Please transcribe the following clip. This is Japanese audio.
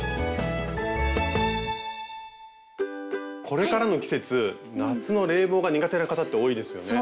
これからの季節夏の冷房が苦手な方って多いですよね。